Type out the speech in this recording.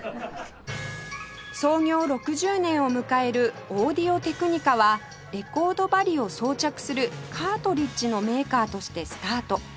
創業６０年を迎えるオーディオテクニカはレコード針を装着するカートリッジのメーカーとしてスタート